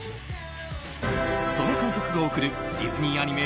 その監督が贈るディズニーアニメ